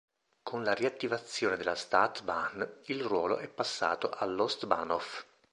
Con la riattivazione della "Stadtbahn" il ruolo è passato all"'Ostbahnhof".